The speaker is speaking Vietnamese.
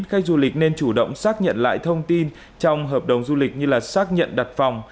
khách du lịch nên chủ động xác nhận lại thông tin trong hợp đồng du lịch như xác nhận đặt phòng